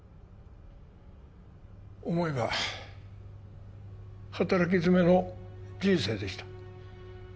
思えば働きづめの人生でした